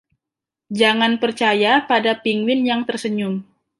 Jangan percaya pada penguin yang tersenyum.